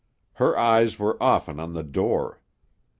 Her eyes were often on the door.